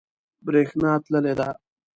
بریښنا تللی ده